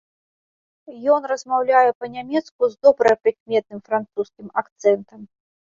Ён размаўляе па-нямецку з добра прыкметным французскім акцэнтам.